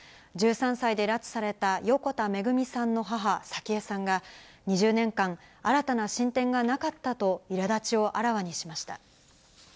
１３歳で拉致された横田めぐみさんの母、早紀江さんが、２０年間、新たな進展がなかったといらだちをあらわにしました。